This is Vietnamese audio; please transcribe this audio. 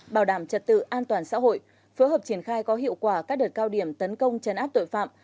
bảo đảm trật tự an toàn xã hội phối hợp triển khai có hiệu quả các đợt cao điểm tấn công chấn áp tội phạm